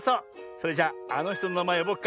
それじゃあのひとのなまえよぼうか。